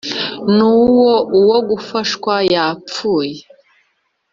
none uwo gufashwa yapfuye